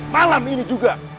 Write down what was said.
malam ini juga